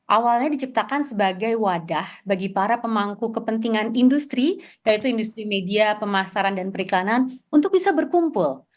awalnya diciptakan sebagai wadah bagi para pemangku kepentingan industri yaitu industri media pemasaran dan perikanan untuk bisa berkumpul